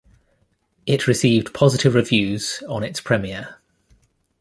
It received positive reviews on its premiere.